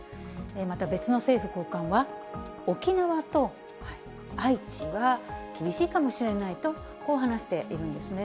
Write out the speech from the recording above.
また別の政府高官は、沖縄と愛知は厳しいかもしれないと、こう話しているんですね。